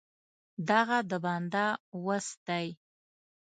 دعا د بنده وس دی.